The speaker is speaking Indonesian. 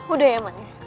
udah ya man